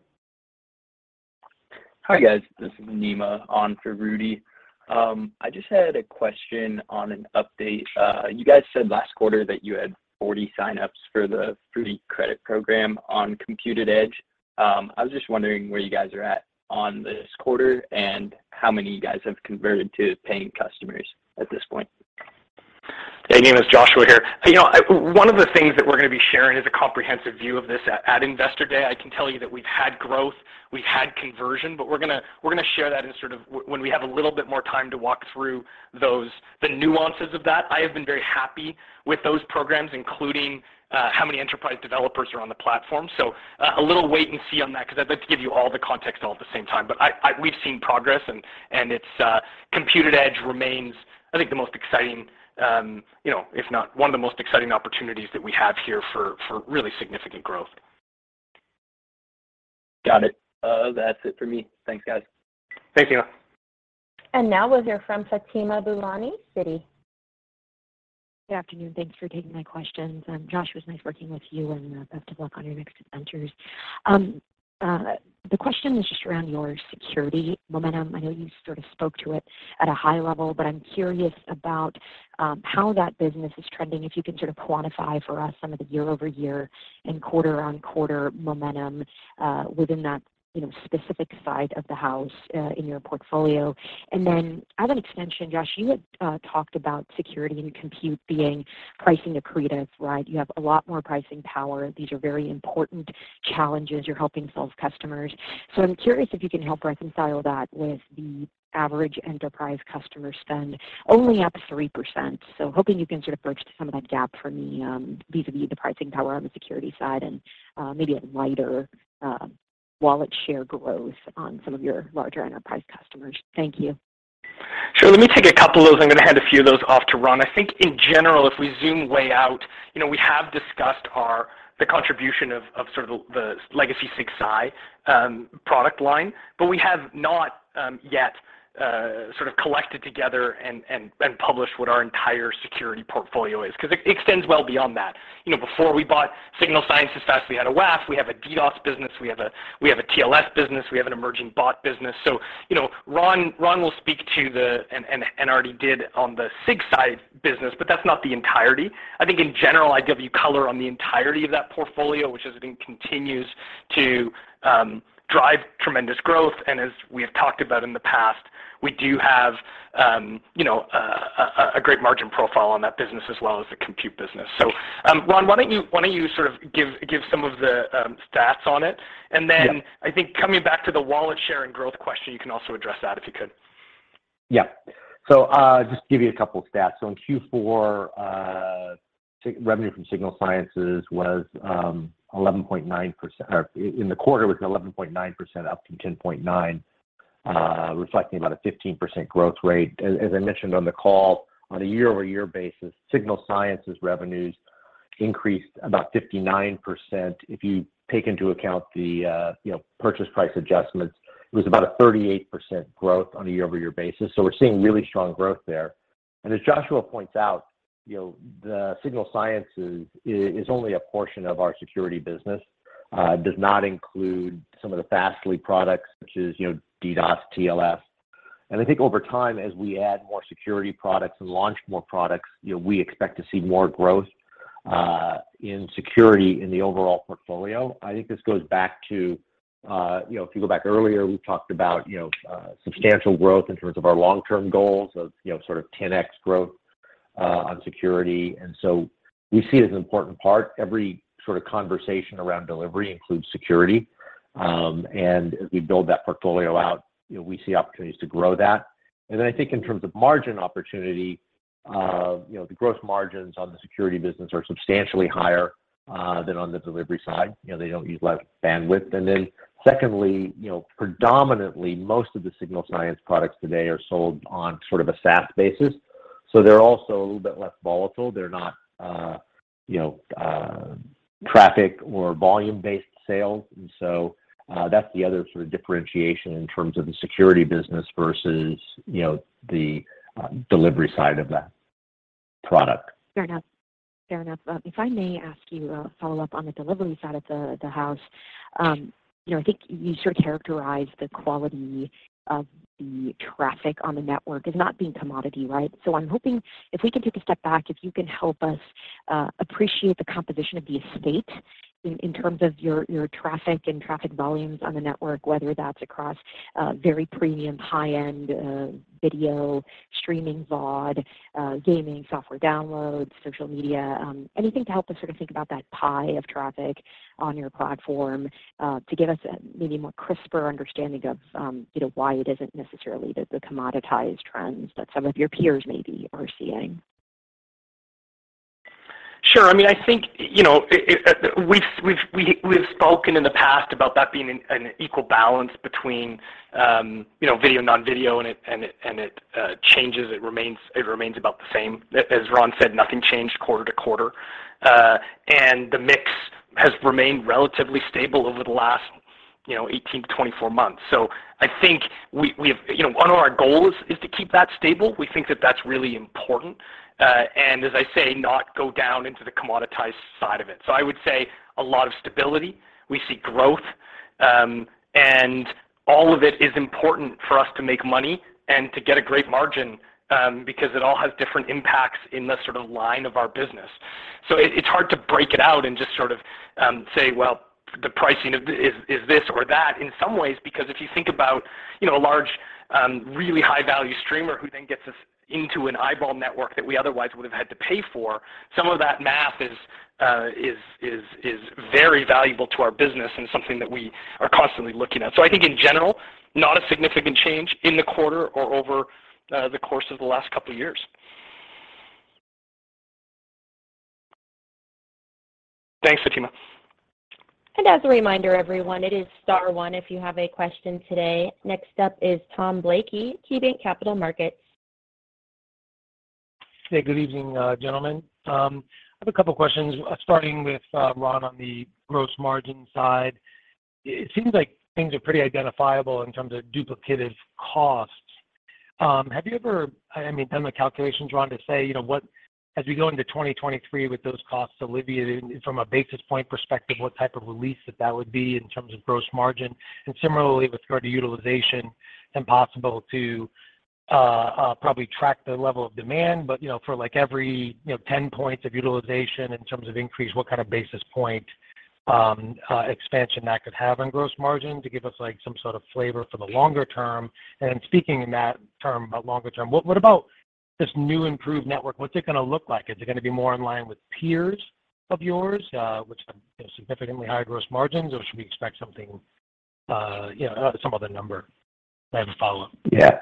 Hi, guys. This is Nima on for Rudy. I just had a question on an update. You guys said last quarter that you had 40 sign-ups for the free credit program on Compute@Edge. I was just wondering where you guys are at on this quarter and how many you guys have converted to paying customers at this point. Hey, Nima. It's Joshua here. You know, one of the things that we're gonna be sharing is a comprehensive view of this at Investor Day. I can tell you that we've had growth, we've had conversion, but we're gonna share that in sort of when we have a little bit more time to walk through the nuances of that. I have been very happy with those programs, including how many enterprise developers are on the platform. So, a little wait and see on that 'cause I'd like to give you all the context all at the same time. I, we've seen progress and it's Compute@Edge remains, I think, the most exciting, you know, if not one of the most exciting opportunities that we have here for really significant growth. Got it. That's it for me. Thanks, guys. Thanks, Nima. Now we'll hear from Fatima Boolani, Citi. Good afternoon. Thanks for taking my questions. Josh, it was nice working with you, and best of luck on your next ventures. The question is just around your security momentum. I know you sort of spoke to it at a high level, but I'm curious about how that business is trending, if you can sort of quantify for us some of the year-over-year and quarter-on-quarter momentum within that, you know, specific side of the house in your portfolio. As an extension, Josh, you had talked about security and compute being pricing accretive, right? You have a lot more pricing power. These are very important challenges you're helping solve customers. I'm curious if you can help reconcile that with the average enterprise customer spend only up 3%. Hoping you can sort of bridge some of that gap for me, vis-a-vis the pricing power on the security side and, maybe a lighter, wallet share growth on some of your larger enterprise customers. Thank you. Sure. Let me take a couple of those. I'm gonna hand a few of those off to Ron. I think in general, if we zoom way out, you know, we have discussed the contribution of sort of the legacy SigSci product line. We have not yet sort of collected together and published what our entire security portfolio is 'cause it extends well beyond that. You know, before we bought Signal Sciences Fastly, we had a WAF, we have a DDoS business, we have a TLS business, we have an emerging bot business. You know, Ron will speak to that and already did on the SigSci side business, but that's not the entirety. I think in general, I'd give you color on the entirety of that portfolio, which as I think continues to drive tremendous growth. As we have talked about in the past, we do have, you know, a great margin profile on that business as well as the compute business. Ron, why don't you sort of give some of the stats on it? Yeah. I think coming back to the wallet share and growth question, you can also address that, if you could. Yeah. Just to give you a couple stats. In Q4, Signal Sciences revenue was 11.9% up from 10.9%, reflecting about a 15% growth rate. As I mentioned on the call, on a year-over-year basis, Signal Sciences revenues increased about 59%. If you take into account the purchase price adjustments, it was about a 38% growth on a year-over-year basis. We're seeing really strong growth there. As Joshua points out, the Signal Sciences is only a portion of our security business, does not include some of the Fastly products, which is DDoS, TLS. I think over time, as we add more security products and launch more products, you know, we expect to see more growth in security in the overall portfolio. I think this goes back to, you know, if you go back earlier, we talked about, you know, substantial growth in terms of our long-term goals of, you know, sort of 10x growth on security. We see it as an important part. Every sort of conversation around delivery includes security. As we build that portfolio out, you know, we see opportunities to grow that. I think in terms of margin opportunity, you know, the gross margins on the security business are substantially higher than on the delivery side. You know, they don't use less bandwidth. Secondly, you know, predominantly most of the Signal Sciences products today are sold on sort of a SaaS basis. They're also a little bit less volatile. They're not, you know, traffic or volume-based sales. That's the other sort of differentiation in terms of the security business versus, you know, the delivery side of that product. Fair enough. If I may ask you a follow-up on the delivery side of the house. You know, I think you sort of characterized the quality of the traffic on the network as not being commodity, right? I'm hoping if we can take a step back, if you can help us appreciate the composition of the state in terms of your traffic and traffic volumes on the network, whether that's across very premium high-end video streaming, VOD, gaming, software downloads, social media, anything to help us sort of think about that pie of traffic on your platform, to give us a maybe more crisper understanding of, you know, why it isn't necessarily the commoditized trends that some of your peers maybe are seeing. Sure. I mean, I think, you know, we've spoken in the past about that being an equal balance between, you know, video and non-video, and it changes. It remains about the same. As Ron said, nothing changed quarter to quarter. The mix has remained relatively stable over the last, you know, 18-24 months. I think we've, you know, one of our goals is to keep that stable. We think that that's really important, and as I say, not go down into the commoditized side of it. I would say a lot of stability. We see growth, and all of it is important for us to make money and to get a great margin, because it all has different impacts in the sort of line of our business. It's hard to break it out and just sort of say, well, the pricing is this or that in some ways, because if you think about, you know, a large, really high-value streamer who then gets us into an eyeball network that we otherwise would have had to pay for, some of that math is very valuable to our business and something that we are constantly looking at. I think in general, not a significant change in the quarter or over the course of the last couple of years. Thanks, Fatima. As a reminder, everyone, it is star one if you have a question today. Next up is Tom Blakey, KeyBanc Capital Markets. Hey, good evening, gentlemen. I have a couple questions, starting with Ron on the gross margin side. It seems like things are pretty identifiable in terms of duplicative costs. Have you ever, I mean, done the calculations, Ron, to say, you know, what as we go into 2023 with those costs alleviated from a basis point perspective, what type of release that would be in terms of gross margin? Similarly, with regard to utilization, impossible to probably track the level of demand, but, you know, for like every, you know, 10 points of utilization in terms of increase, what kind of basis point expansion that could have on gross margin to give us like some sort of flavor for the longer term. Speaking in that term about longer term, what about this new improved network? What's it gonna look like? Is it gonna be more in line with peers of yours, which have, you know, significantly higher gross margins, or should we expect something, you know, some other number? I have a follow-up. Yeah.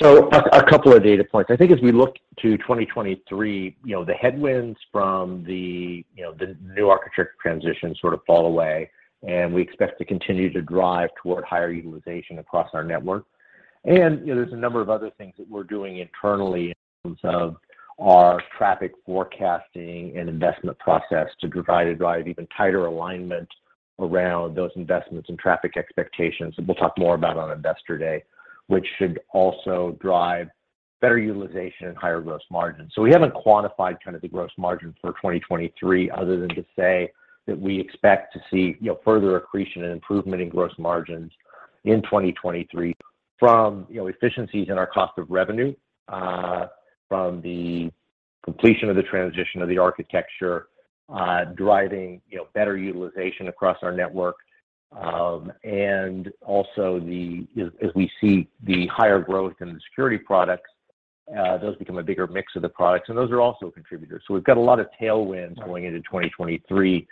A couple of data points. I think as we look to 2023, you know, the headwinds from the, you know, the new architecture transition sort of fall away, and we expect to continue to drive toward higher utilization across our network. You know, there's a number of other things that we're doing internally in terms of our traffic forecasting and investment process to try to drive even tighter alignment around those investments and traffic expectations, that we'll talk more about on Investor Day, which should also drive better utilization and higher gross margin. We haven't quantified kind of the gross margin for 2023 other than to say that we expect to see, you know, further accretion and improvement in gross margins in 2023 from, you know, efficiencies in our cost of revenue, from the completion of the transition of the architecture, driving, you know, better utilization across our network, and also as we see the higher growth in the security products, those become a bigger mix of the products, and those are also contributors. We've got a lot of tailwinds going into 2023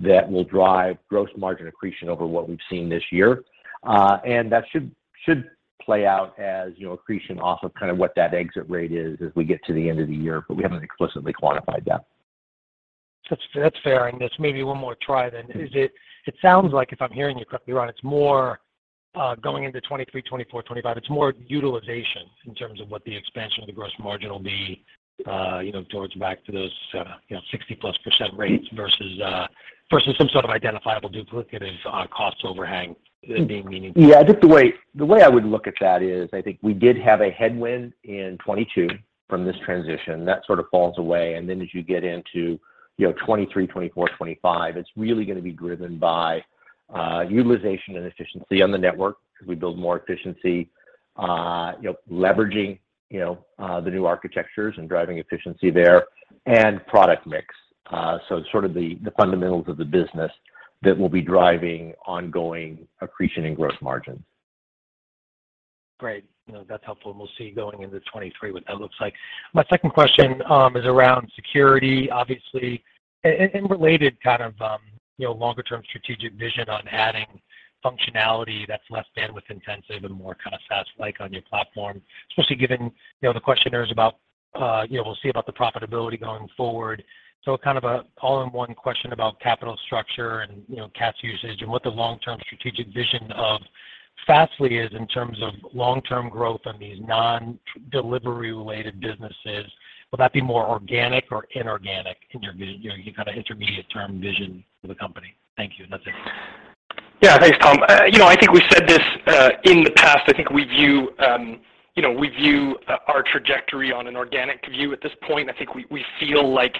that will drive gross margin accretion over what we've seen this year. And that should play out as, you know, accretion off of kind of what that exit rate is as we get to the end of the year, but we haven't explicitly quantified that. That's fair. Just maybe one more try then. It sounds like, if I'm hearing you correctly, Ron, it's more going into 2023, 2024, 2025, it's more utilization in terms of what the expansion of the gross margin will be, you know, towards back to those, you know, 60%+ rates versus some sort of identifiable duplicative cost overhang being meaningful. Yeah. I think the way I would look at that is I think we did have a headwind in 2022 from this transition. That sort of falls away. As you get into, you know, 2023, 2024, 2025, it's really gonna be driven by utilization and efficiency on the network as we build more efficiency, you know, leveraging, you know, the new architectures and driving efficiency there and product mix. So sort of the fundamentals of the business that will be driving ongoing accretion and growth margin. Great. You know, that's helpful, and we'll see going into 2023 what that looks like. My second question is around security obviously and related kind of, you know, longer term strategic vision on adding functionality that's less bandwidth-intensive and more kind of SaaS-like on your platform, especially given, you know, the questions about, you know, we'll see about the profitability going forward. Kind of a all-in-one question about capital structure and, you know, CAs usage and what the long-term strategic vision of Fastly is in terms of long-term growth on these non-delivery related businesses. Will that be more organic or inorganic in your, you know, your kind of intermediate term vision for the company? Thank you. That's it. Yeah. Thanks, Tom. You know, I think we said this in the past. I think we feel like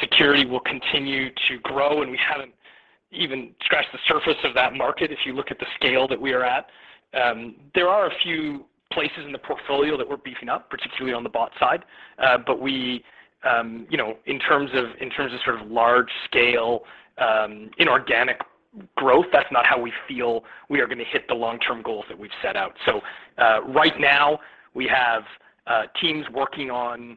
security will continue to grow, and we haven't even scratched the surface of that market if you look at the scale that we are at. There are a few places in the portfolio that we're beefing up, particularly on the bot side. But you know, in terms of sort of large scale inorganic growth, that's not how we feel we are gonna hit the long-term goals that we've set out. So right now we have teams working on,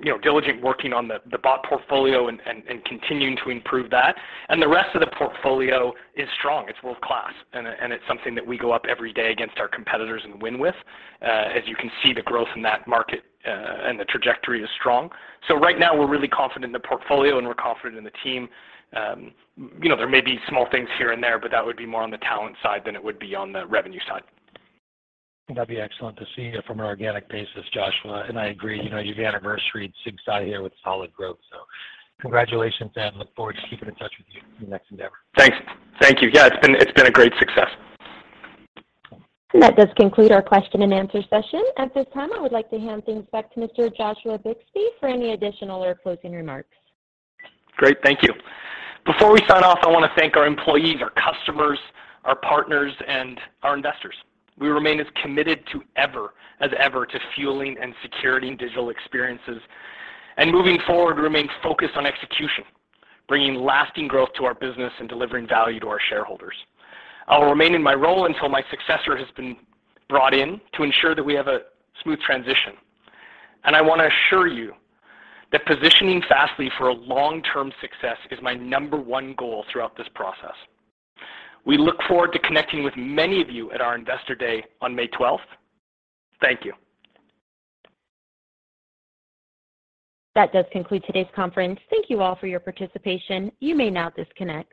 you know, diligently working on the bot portfolio and continuing to improve that. The rest of the portfolio is strong. It's world-class. It's something that we go up every day against our competitors and win with. As you can see the growth in that market, and the trajectory is strong. Right now we're really confident in the portfolio, and we're confident in the team. You know, there may be small things here and there, but that would be more on the talent side than it would be on the revenue side. That'd be excellent to see from an organic basis, Joshua. I agree. You know, you've anniversaried SigSci here with solid growth. Congratulations, and look forward to keeping in touch with you in the next endeavor. Thanks. Thank you. Yeah, it's been a great success. That does conclude our question and answer session. At this time, I would like to hand things back to Mr. Joshua Bixby for any additional or closing remarks. Great. Thank you. Before we sign off, I wanna thank our employees, our customers, our partners, and our investors. We remain as committed as ever to fueling and securing digital experiences, and moving forward, remain focused on execution, bringing lasting growth to our business and delivering value to our shareholders. I will remain in my role until my successor has been brought in to ensure that we have a smooth transition. I want to assure you that positioning Fastly for a long-term success is my number one goal throughout this process. We look forward to connecting with many of you at our Investor Day on May 12. Thank you. That does conclude today's conference. Thank you all for your participation. You may now disconnect.